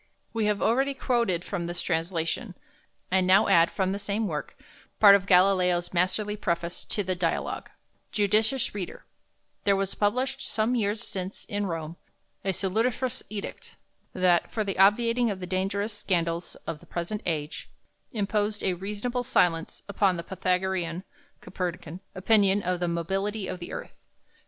We have already quoted from this translation, and now add from the same work part of Galileo's masterly preface to the "Dialogue": "Judicious reader, there was published some years since in Rome a salutiferous Edict, that, for the obviating of the dangerous Scandals of the Present Age, imposed a reasonable Silence upon the Pythagorean (Copernican) opinion of the Mobility of the Earth.